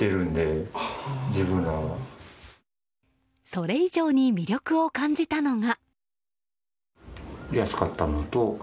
それ以上に魅力を感じたのが。